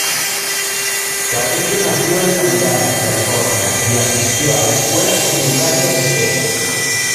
Carrillo nació en La Mirada, California y asistió a la Escuela Secundaria St.